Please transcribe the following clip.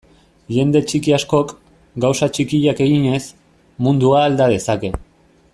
Jende txiki askok, gauza txikiak eginez, mundua alda dezake.